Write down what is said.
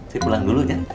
saya pulang dulu ya